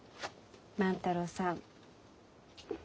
万太郎さん。